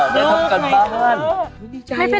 อ๋อทำไงเธอ